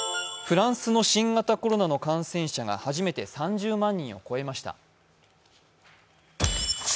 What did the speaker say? フランスの新型コロナの感染者が初めて３０万人を超えました。